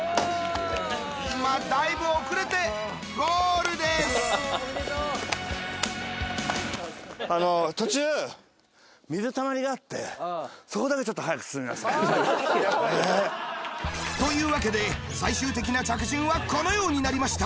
今だいぶ遅れてゴールです！というわけで最終的な着順はこのようになりました。